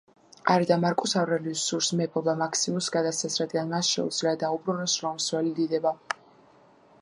არადა მარკუს ავრელიუსს სურს მეფობა მაქსიმუსს გადასცეს, რადგან მას შეუძლია დაუბრუნოს რომს ძველი დიდება.